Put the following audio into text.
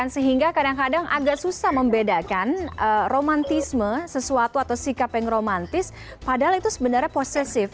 sehingga kadang kadang agak susah membedakan romantisme sesuatu atau sikap yang romantis padahal itu sebenarnya positif